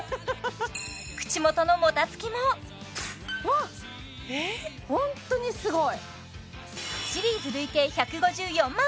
口元のもたつきもわっホントにすごい！